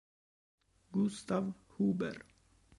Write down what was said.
Gustav Huber